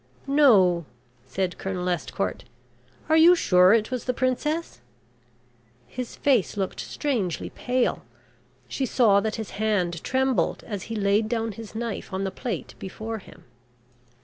"No," said Colonel Estcourt. "Are you sure it was the princess?" His face looked strangely pale. She saw that his hand trembled as he laid down his knife on the plate before him.